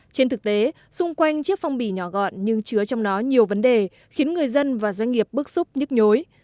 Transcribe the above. trên thực tế xung quanh chiếc phong bì nhỏ gọn nhưng chứa trong nó nhiều vấn đề khiến người dân và doanh nghiệp bức xúc nhức nhối